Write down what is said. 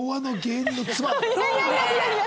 いやいやいやいや。